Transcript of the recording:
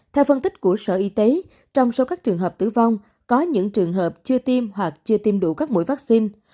theo phân tích của sở y tế trong số các trường hợp tử vong có những trường hợp chưa tiêm hoặc chưa tiêm đủ các mũi vaccine